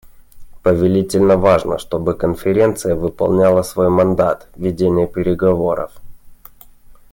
Повелительно важно, чтобы Конференция выполняла свой мандат: ведение переговоров.